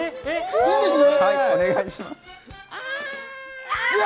いいんですね？